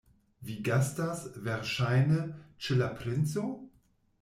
Vi gastas, verŝajne, ĉe la princo?